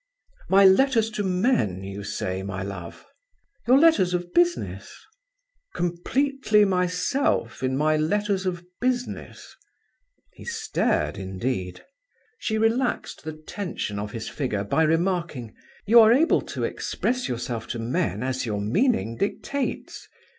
"My letters to men, you say, my love?" "Your letters of business." "Completely myself in my letters of business?" He stared indeed. She relaxed the tension of his figure by remarking: "You are able to express yourself to men as your meaning dictates.